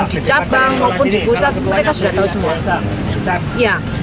mereka sudah tahu semua